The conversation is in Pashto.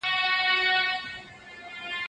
هغه سړي په خپل ژوند کي توازن ساتلی دی.